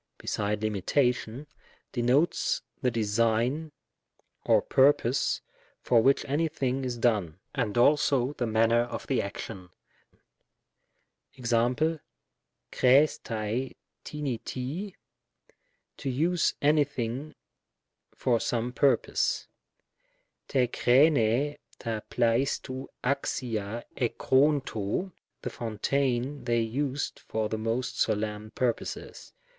beside limitation, denotes the design or purpose for which any thing is done, and also the manner of the action. Ex.^ xQr]6&ac tcpI Tiy "to use any thing for some purpose ;" r?J ^^^vrj Tcc nXtioTOv d^ca ej^qcSvrOy " the fountain they used for the most solemn purposes."